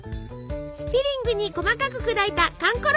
フィリングに細かく砕いたかん